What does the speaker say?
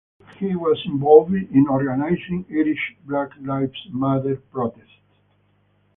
He was involved in organising Irish Black Lives Matter protests.